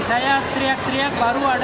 saya teriak teriak baru ada